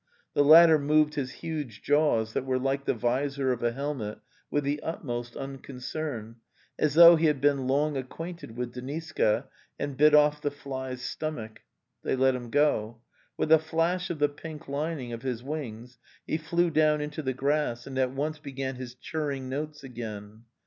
The latter moved his huge jaws, that were like the visor of a helmet, with the utmost unconcern, as though he had been long acquainted with Deniska, and bit off the fly's stomach. They let him go. With a flash of the pink lining of his wings, he flew down into the grass and at once began his churring notes again.